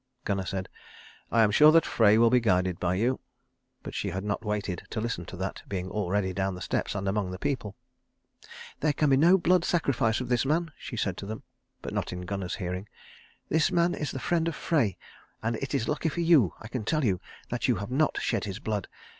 Gunnar said, "I am sure that Frey will be guided by you"; but she had not waited to listen to that, being already down the steps and among the people. "There can be no blood sacrifice of this man," she said to them, but not in Gunnar's hearing. "This man is the friend of Frey, and it is lucky for you, I can tell you, that you have not shed his blood.